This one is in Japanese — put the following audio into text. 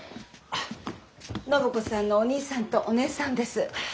暢子さんのお兄さんとお姉さんです。